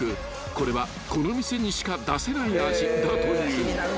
これはこの店にしか出せない味だという］